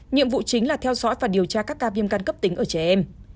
nhiệm vụ chính là theo dõi và điều tra các ca viêm căn cấp tính ở trẻ em